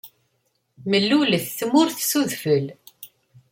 Mellulet tmurt s udfel.